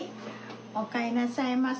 おかえりなさいませ。